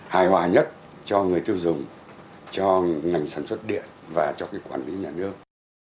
hài hòa nhất cho người tiêu dùng cho ngành sản xuất điện và cho quản lý nhà nước